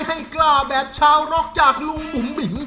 ให้กล้าแบบชาวร็อกจากลุงบุ๋มบิ๋ม